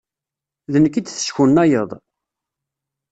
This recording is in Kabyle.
D nekk i d-teskunayeḍ?